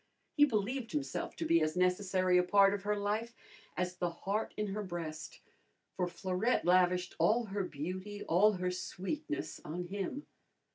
He believed himself to be as necessary a part of her life as the heart in her breast, for Florette lavished all her beauty, all her sweetness on him.